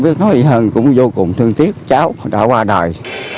biết nói gì hơn cũng vô cùng thương tiếc cháu đã qua đời